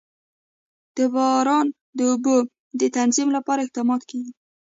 د باران د اوبو د تنظیم لپاره اقدامات کېږي.